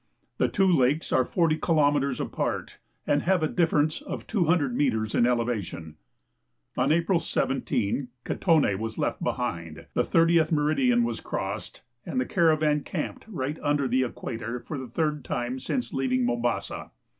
The two lakes are 40 kilometers apart and have a differ ence of 200 meters in elevation. On April 17 Katone was left behind, the thirtieth meridian was crossed, and the caravan camped right under the equator for the third time since leaving Mombasa.